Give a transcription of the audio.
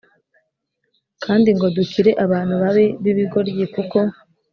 kandi ngo dukire abantu babi b ibigoryi kuko